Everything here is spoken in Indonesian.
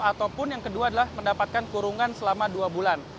ataupun yang kedua adalah mendapatkan kurungan selama dua bulan